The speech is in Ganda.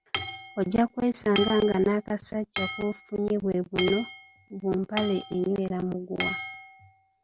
"Ojja kwesanga nga n'akasajja k'ofunye bwe buno bu ""mpale enywera muguwa"""